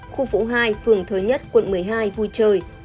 khu phố hai phường thới nhất quận một mươi hai vui chơi